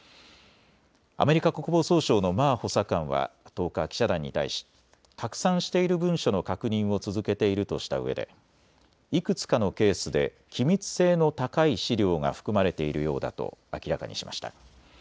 アメリカ国防総省のマー補佐官は１０日、記者団に対し拡散している文書の確認を続けているとしたうえでいくつかのケースで機密性の高い資料が含まれているようだと明らかにしました。